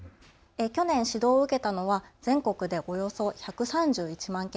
去年、指導を受けたのは全国でおよそ１３１万件。